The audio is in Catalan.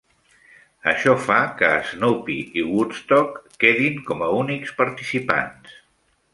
Això fa que Snoopy i Woodstock quedin com a únics participants.